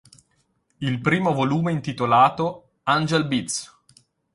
Il primo volume, intitolato "Angel Beats!